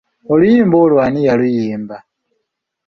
Oluyimba olwo ani yaluyimba?